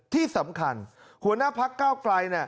ที่สำคัญหัวหน้าพักเก้าไกล